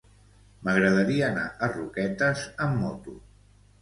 M'agradaria anar a Roquetes amb moto.